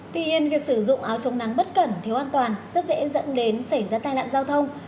tuy nhiên việc sử dụng áo chống nắng bất cẩn thiếu an toàn rất dễ dẫn đến xảy ra tai nạn giao thông